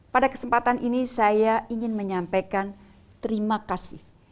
pada kesempatan ini saya ingin menyampaikan terima kasih